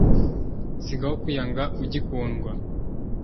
sigaho kwiyanga ugikundwa